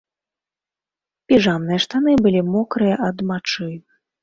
Піжамныя штаны былі мокрыя ад мачы.